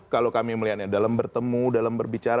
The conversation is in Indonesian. kalau kami melihatnya dalam bertemu dalam berbicara